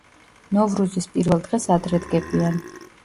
ნოვრუზის პირველ დღეს ადრე დგებიან.